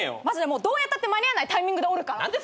マジでもうどうやったって間に合わないタイミングで折るから。